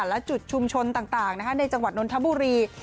และจุดชุมชนต่างในจังหวัดนนทบุรี